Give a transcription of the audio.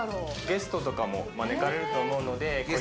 ゲストとかも招かれると思うので。